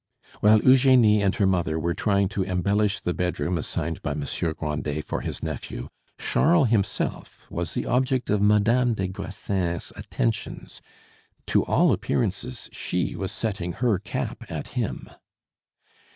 While Eugenie and her mother were trying to embellish the bedroom assigned by Monsieur Grandet for his nephew, Charles himself was the object of Madame des Grassins' attentions; to all appearances she was setting her cap at him.